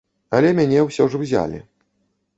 Але мяне ўсё ж узялі.